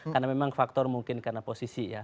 karena memang faktor mungkin karena posisi ya